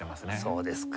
そうですか。